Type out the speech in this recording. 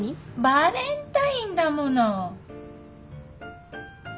バレンタインだもの